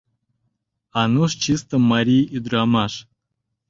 Ануш — чисте марий ӱдырамаш.